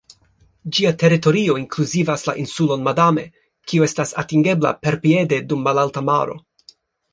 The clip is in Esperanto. Ĝia teritorio inkluzivas la insulon Madame, kiu estas atingebla perpiede dum malalta maro.